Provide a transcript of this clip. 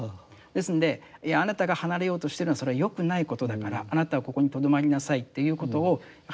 ですんであなたが離れようとしてるのはそれは良くないことだからあなたはここにとどまりなさいということをやはりしてはならない。